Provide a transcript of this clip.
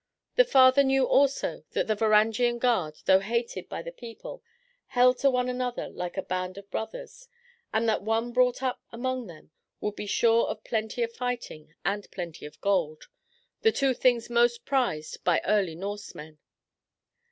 The father knew also that the Varangian Guard, though hated by the people, held to one another like a band of brothers; and that any one brought up among them would be sure of plenty of fighting and plenty of gold, the two things most prized by early Norsemen.